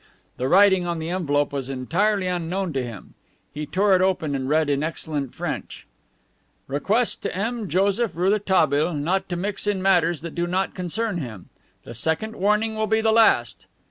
The writing on the envelope was entirely unknown to him. He tore it open and read, in excellent French: "Request to M. Joseph Rouletabille not to mix in matters that do not concern him. The second warning will be the last."